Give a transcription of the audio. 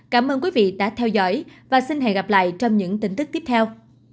cảm ơn quý vị đã theo dõi và xin hẹn gặp lại trong những tin tức tiếp theo